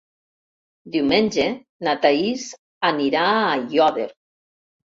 Diumenge na Thaís anirà a Aiòder.